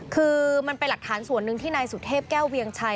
คือมันเป็นหลักฐานส่วนหนึ่งที่นายสุเทพแก้วเวียงชัย